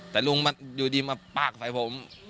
แต่ลุงอยู่ดีมาปากใส่ผม